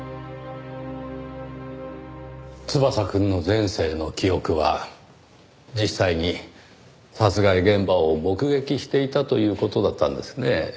翼くんの前世の記憶は実際に殺害現場を目撃していたという事だったんですねぇ。